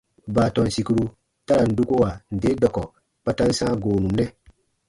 Baatɔn sìkuru ta ra n dukuwa nde dɔkɔ kpa ta n sãa goonu nɛ.